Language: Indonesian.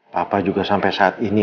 papa juga sampai saat ini